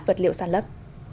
vật liệu sản lấp